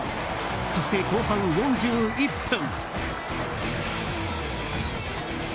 そして後半４１分。